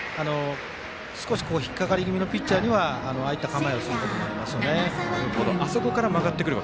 少し引っ掛かり気味のピッチャーにはああいった構えをすることもありますね。